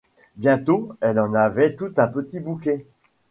Bientôt elle en avait tout un petit bouquet.